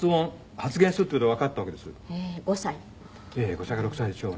５歳か６歳でしょうね。